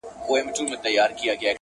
• د مرګ غېږ ته ورغلی یې نادانه -